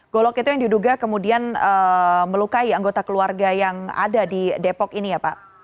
golok itu yang diduga kemudian melukai anggota keluarga yang ada di depok ini ya pak